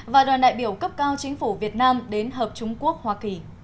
và đoàn đại biểu cấp cao chính phủ việt nam đến hợp trung quốc hoa kỳ